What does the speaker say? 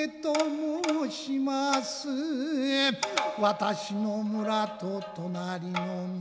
私の村と隣の村